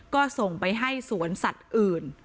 ก็ส่งไปให้สวนสัตว์อื่น